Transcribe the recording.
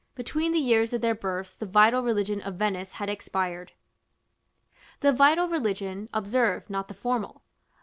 Between the years of their births the vital religion of Venice had expired. § XIV. The vital religion, observe, not the formal.